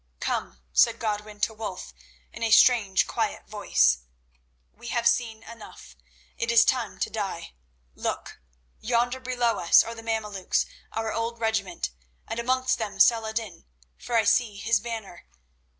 "Come," said Godwin to Wulf in a strange, quiet voice. "We have seen enough. It is time to die. Look! yonder below us are the Mameluks, our old regiment, and amongst them Saladin, for I see his banner.